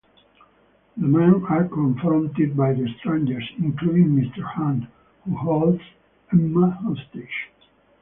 The men are confronted by the Strangers, including Mr. Hand, who holds Emma hostage.